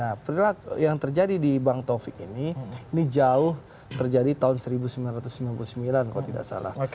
jadi apa yang terjadi di bank taufik ini ini jauh terjadi tahun seribu sembilan ratus sembilan puluh sembilan kalau tidak salah